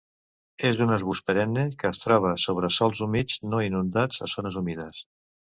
És un arbust perenne que es troba sobre sòls humits no inundats a zones humides.